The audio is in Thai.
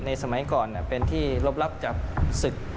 สมัยก่อนเป็นที่ลบรับจากศึก